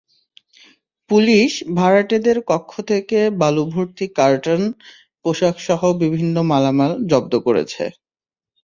Police ভাড়াটেদের কক্ষ থেকে বালুভর্তি কার্টন, পোশাকসহ বিভিন্ন মালামাল জব্দ করেছে।